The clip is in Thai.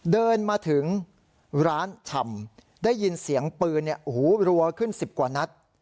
เดินมาถึงร้านชำได้ยินเสียงปืนรัวขึ้น๑๐กว่านัด